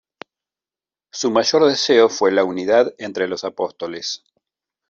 Su mayor deseo fue la unidad entre los Apóstoles.